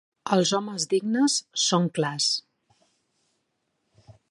Els homes dignes són clars.